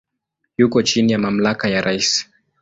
Yuko chini ya mamlaka ya rais.